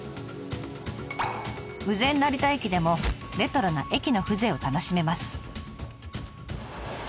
羽前成田駅でもレトロな駅の風情を楽しめます。